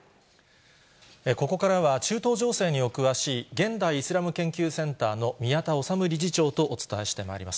ここからは中東情勢にお詳しい現代イスラム研究センターの宮田律理事長とお伝えしてまいります。